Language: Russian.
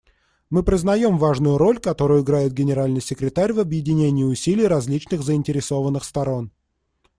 Мы признаем важную роль, которую играет Генеральный секретарь в объединении усилий различных заинтересованных сторон.